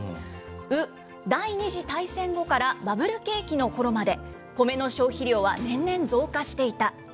ウ、第２次大戦後からバブル景気のころまで、米の消費量は年々増加していた。